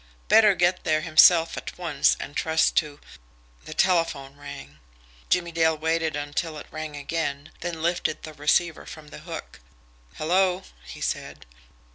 Better get there himself at once and trust to The telephone rang. Jimmie Dale waited until it rang again, then he lifted the receiver from the hook. "Hello?" he said.